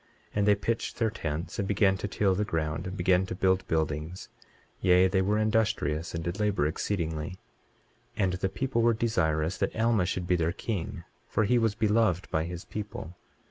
23:5 And they pitched their tents, and began to till the ground, and began to build buildings; yea, they were industrious, and did labor exceedingly. 23:6 And the people were desirous that Alma should be their king, for he was beloved by his people.